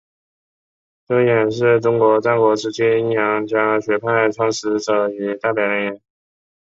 邹衍是中国战国时期阴阳家学派创始者与代表人物。